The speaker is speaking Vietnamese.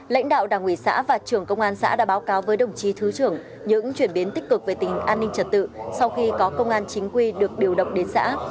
lãnh đạo đảng ủy xã và trưởng công an xã đã báo cáo với đồng chí thứ trưởng những chuyển biến tích cực về tình hình an ninh trật tự sau khi có công an chính quy được điều động đến xã